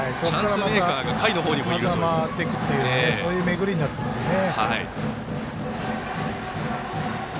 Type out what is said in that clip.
ここからまた回っていくというそういう巡りになってますね。